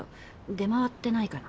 出回ってないかな？